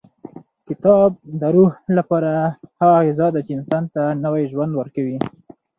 کتاب د روح لپاره هغه غذا ده چې انسان ته نوی ژوند ورکوي.